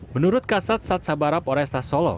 menurut kasat sat sabara poresta solo